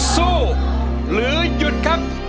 สู้หรือหยุดครับ